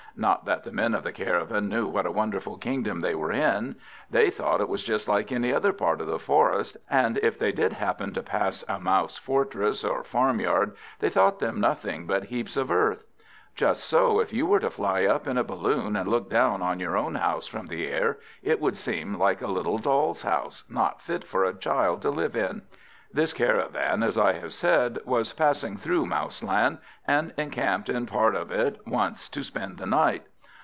Not that the men of the caravan knew what a wonderful kingdom they were in. They thought it was just like any other part of the forest, and if they did happen to pass a Mouse fortress, or farmyard, they thought them nothing but heaps of earth. Just so if you were to fly up in a balloon, and look down on your own house from the air, it would seem like a little doll's house, not fit for a child to live in. This caravan, as I have said, was passing through Mouseland, and encamped in part of it once to spend the night.